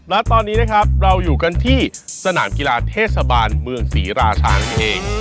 และตอนนี้นะครับเราอยู่กันที่สนามกีฬาเทศบาลเมืองศรีราชานี่เอง